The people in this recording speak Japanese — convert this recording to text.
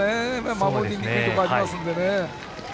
守りにくいところがありますね。